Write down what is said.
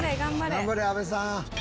「頑張れ阿部さん」